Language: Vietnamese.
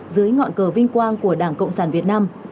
dưới ngọn cờ vinh quang của đảng cộng sản việt nam